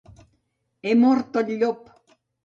He mort el llop!